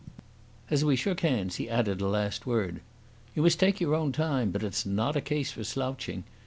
As we shook hands, he added a last word. "You must take your own time, but it's not a case for slouching.